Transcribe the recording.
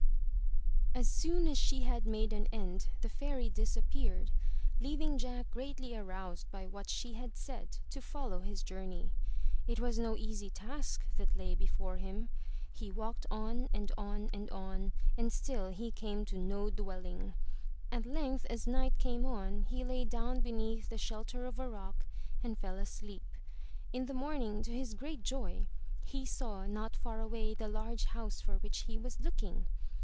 '* As soon as she had made an end the Fairy dis 376 UP ONE PAIR OF STAIRS appeared, leaving Jack greatly aroused by what she had said, to follow his journey. It was no easy task that lay before him. He walked on and on and on and still he came to no dwelling. At length as night came on, he lay down beneath the shelter of a rock and fell asleep. In the morning to his great joy, he saw not far away the large house for which he was looking.